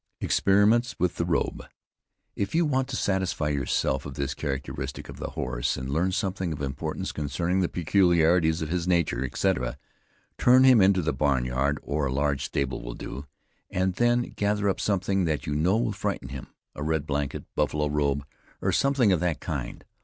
EXPERIMENTS WITH THE ROBE. If you want to satisfy yourself of this characteristic of the horse, and learn something of importance concerning the peculiarities of his nature, etc., turn him into the barn yard, or a large stable will do, and then gather up something that you know will frighten him; a red blanket, buffalo robe, or something of that kind.